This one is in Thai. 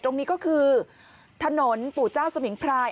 ตรงนี้ก็คือถนนปู่เจ้าสมิงพราย